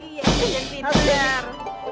iya jejen pinter